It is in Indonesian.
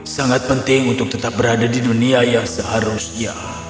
sangat penting untuk tetap berada di dunia yang seharusnya